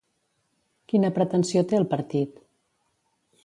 Quina pretensió té el partit?